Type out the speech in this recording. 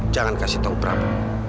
jangan kasih tahu prabu